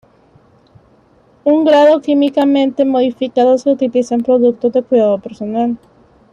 Un grado químicamente modificado se utiliza en productos de cuidado personal.